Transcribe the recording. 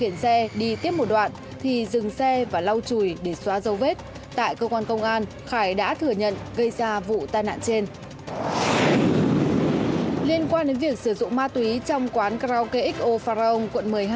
liên quan đến việc sử dụng ma túy trong quán karaoke xo pharaon quận một mươi hai